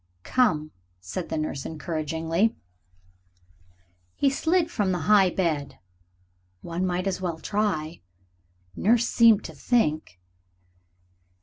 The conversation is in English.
"Come," said the nurse encouragingly. He slid from the high bed. One might as well try. Nurse seemed to think....